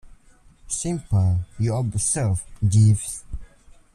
Simple, you observe, Jeeves.